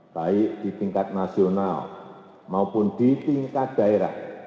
baik di tingkat nasional maupun di tingkat daerah